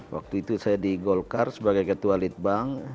waktu itu saya di golkar sebagai ketua lead bank